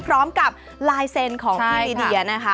พร้อมกับลายเซ็นต์ของพี่ลีเดียนะคะ